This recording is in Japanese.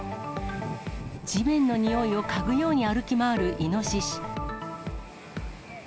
地面のにおいを嗅ぐように歩き回るイノシシ。